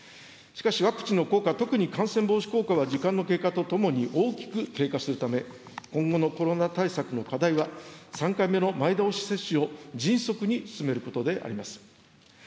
しかし、ワクチンの効果、特に感染防止効果は、時間の経過とともに大きく低下するため、今後のコロナ対策の課題は、３回目の前倒し接種を迅速に進めることであります。